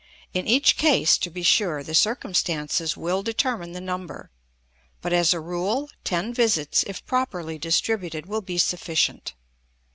In each case, to be sure, the circumstances will determine the number; but, as a rule, ten visits, if properly distributed, will be sufficient.